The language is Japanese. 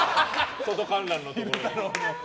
外観覧のところ。